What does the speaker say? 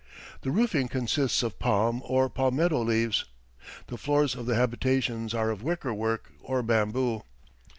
The roofing consists of palm or palmetto leaves.... The floors of the habitations are of wicker work or bamboo.